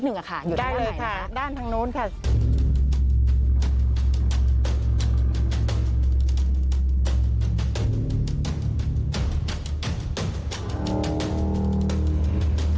อยู่ทางไหนนะคะอยู่ทางไหนนะคะได้เลยค่ะด้านทางนู้นค่ะอยู่ทางไหนนะคะ